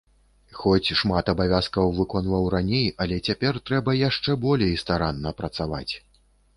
Хоць шмат абавязкаў выконваў раней, але цяпер трэба яшчэ болей старанна працаваць.